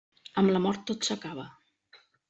Amb la mort tot s'acaba.